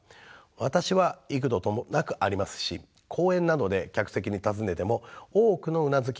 私は幾度となくありますし講演などで客席に尋ねても多くのうなずきが返ってきます。